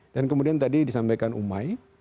dan kemudian tadi disampaikan umai